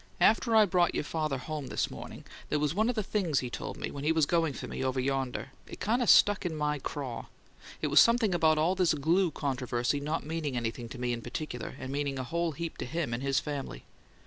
"After I brought your father home, this morning, there was one of the things he told me, when he was going for me, over yonder it kind of stuck in my craw. It was something about all this glue controversy not meaning anything to me in particular, and meaning a whole heap to him and his family.